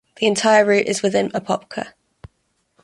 The entire route is within Apopka.